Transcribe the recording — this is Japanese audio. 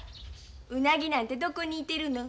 ウナギなんてどこにいてるの？